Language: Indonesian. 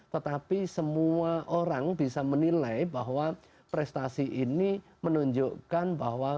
tetapi semua orang bisa menilai bahwa prestasi ini menunjukkan berapa banyak yang bisa kita lakukan